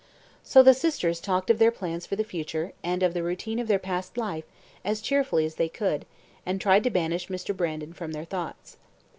So the sisters talked of their plans for the future, and of the routine of their past life, as cheerfully as they could, and tried to banish Mr. Brandon from their thoughts.